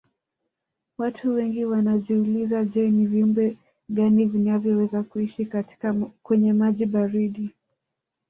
Watu wengi wanajiuliza je ni viumbe gani vinavyoweza kuishi kwenye maji baridi